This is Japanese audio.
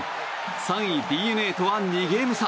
３位ＤｅＮＡとは２ゲーム差。